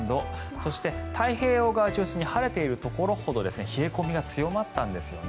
そして太平洋側を中心に晴れているところほど冷え込みが強まったんですよね。